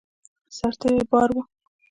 سرتېري بار وو.